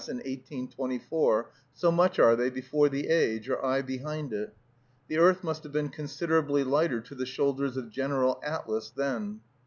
in 1824; so much are they before the age, or I behind it! The earth must have been considerably lighter to the shoulders of General Atlas then.